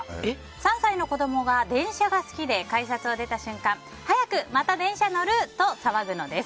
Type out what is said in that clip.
３歳の子供が電車が好きで改札を出た瞬間に早くまた電車乗る！と騒ぐのです。